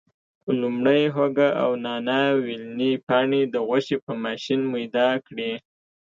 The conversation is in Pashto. لومړی هوګه او نانا ویلني پاڼې د غوښې په ماشین میده کړي.